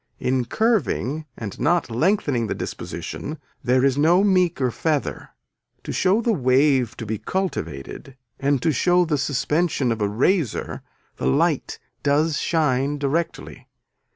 In curving and not lengthening the disposition there is no meeker feather. To show the wave to be cultivated and to show the suspension of a razor the light does shine directly.